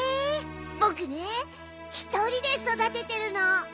ぼくねひとりでそだててるの！